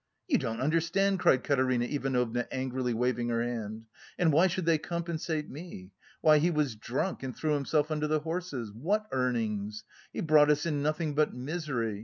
"You don't understand!" cried Katerina Ivanovna angrily waving her hand. "And why should they compensate me? Why, he was drunk and threw himself under the horses! What earnings? He brought us in nothing but misery.